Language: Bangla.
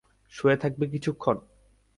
শুয়ে থাকবে কিছুক্ষণ?